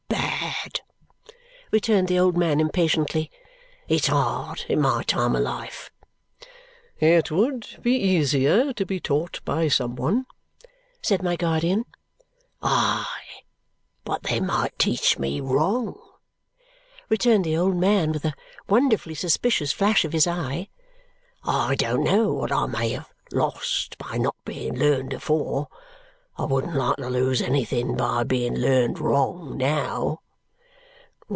Bad," returned the old man impatiently. "It's hard at my time of life." "It would be easier to be taught by some one," said my guardian. "Aye, but they might teach me wrong!" returned the old man with a wonderfully suspicious flash of his eye. "I don't know what I may have lost by not being learned afore. I wouldn't like to lose anything by being learned wrong now."